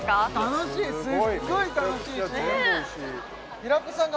楽しいすっごい楽しいしすごい